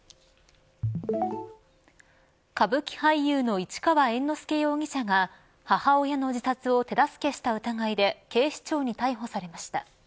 歌舞伎俳優の市川猿之助容疑者が母親の自殺を手助けした疑いで警視庁に逮捕されました。